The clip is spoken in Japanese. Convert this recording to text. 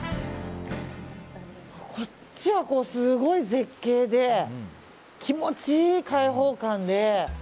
こっちはすごい絶景で気持ちいい開放感で。